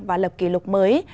và lập kỷ lục mới